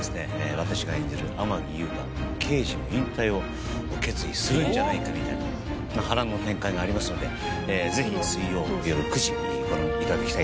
私が演じる天樹悠が刑事の引退を決意するんじゃないかみたいな波乱の展開がありますのでぜひ水曜よる９時ご覧頂きたいと思います。